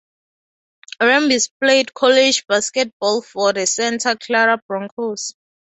Rambis played college basketball for the Santa Clara Broncos.